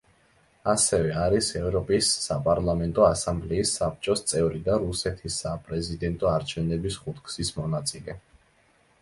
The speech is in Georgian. ასევე არის ევროპის საპარლამენტო ასამბლეის საბჭოს წევრი და რუსეთის საპრეზიდენტო არჩევნების ხუთგზის მონაწილე.